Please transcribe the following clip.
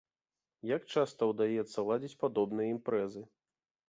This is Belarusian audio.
Як часта ўдаецца ладзіць падобныя імпрэзы?